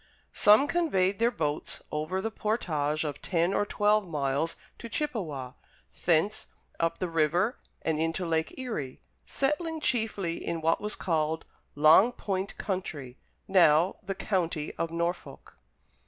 Some conveyed their boats over the portage of ten or twelve miles to Chippewa, thence up the river and into Lake Erie, settling chiefly in what was called "Long Point Country," now the County of Norfolk.